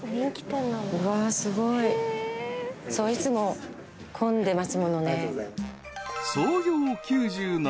すごい。いつも混んでますものね。